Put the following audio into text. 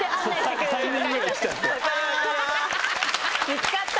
見つかった。